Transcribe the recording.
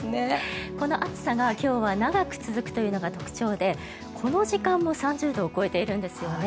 この暑さが今日は長く続くというのが特徴でこの時間も３０度を超えているんですよね。